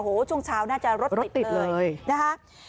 โอ้โหช่วงเช้าน่าจะรถรถติดเลยนะคะ